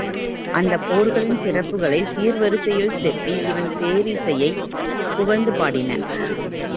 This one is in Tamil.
அந்தப் போர்களின் சிறப்புகளைச் சீர்வரிசையில் செப்பி இவன் பேரிசையைப் புகழ்ந்து பாடின.